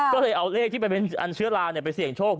ก็เลยเอาเลขที่มันเป็นอันเชื้อราไปเสี่ยงโชค